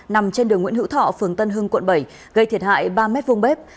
nằm trên đường nguyễn hữu thọ phường tân hưng quận bảy gây thiệt hại ba m vùng bếp